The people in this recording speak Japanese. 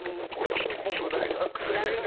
ぽくないなんかね。